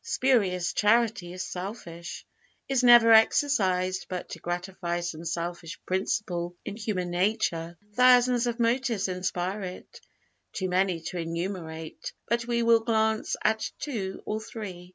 _ Spurious Charity is selfish is never exercised but to gratify some selfish principle in human nature. Thousands of motives inspire it too many to enumerate; but we will glance at two or three.